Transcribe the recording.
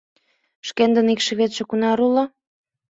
— Шкендын икшыветше кунар уло?